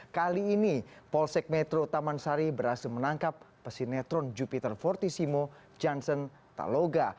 kali ini polsek metro taman sari berhasil menangkap pesinetron jupiter fortissimo johnson taloga